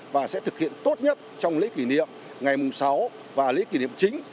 và sẽ thực hiện tốt nhất trong lễ kỷ niệm ngày sáu và lễ kỷ niệm chính